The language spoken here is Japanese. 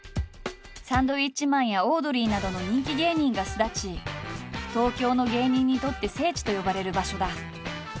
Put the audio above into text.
サンドウィッチマンやオードリーなどの人気芸人が巣立ち東京の芸人にとって聖地と呼ばれる場所だ。